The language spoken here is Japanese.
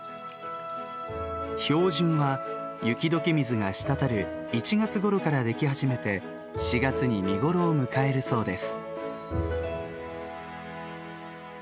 氷筍は雪どけ水が滴る１月ごろから出来始めて４月に見頃を迎えるそうです。